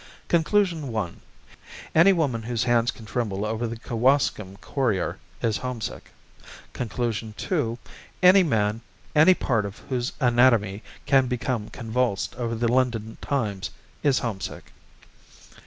Conclusion one: Any woman whose hands can tremble over the Kewaskum Courier is homesick. Conclusion two: Any man, any part of whose anatomy can become convulsed over the London Times is homesick.